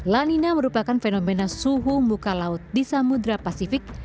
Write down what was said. lanina merupakan fenomena suhu muka laut di samudera pasifik